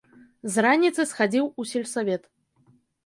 З раніцы схадзіў у сельсавет.